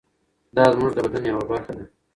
دا زموږ د بدن یوه برخه ده.